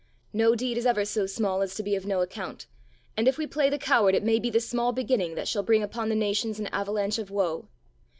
No deed is ever so small as to be of no account and if we play the coward it may be the small beginning that shall bring upon the nations an avalanche of woe.